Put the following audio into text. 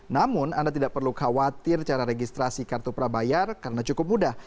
namun anda tidak perlu khawatir cara registrasi kartu prabayar karena cukup mudah